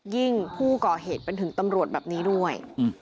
ผู้ก่อเหตุเป็นถึงตำรวจแบบนี้ด้วย